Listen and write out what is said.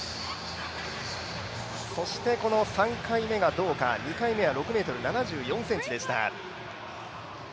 そしてこの３回目がどうか、２回目は６ｍ７１ｃｍでした。